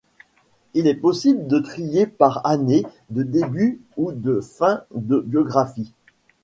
Il est possible de trier par année de début ou de fin de biographie.